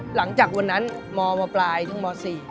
หลังจากวันนั้นมมปลายถึงม๔